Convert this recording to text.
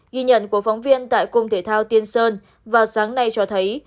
ghi nhận của phóng viên tại cung thể thao tiên sơn vào sáng nay cho thấy